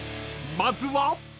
［まずは］